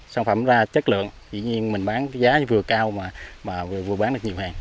sản phẩm ra chất lượng dĩ nhiên mình bán giá vừa cao mà vừa bán được nhiều hàng